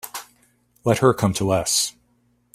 Let her come to us.